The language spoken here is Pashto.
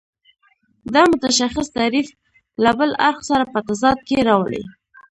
دا متشخص تعریف له بل اړخ سره په تضاد کې راولي.